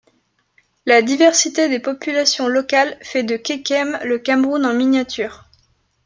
La diversité des populations locales fait de Kekem le Cameroun en miniature.